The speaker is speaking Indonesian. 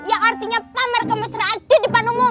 yang artinya pamer kemesraan di depan umum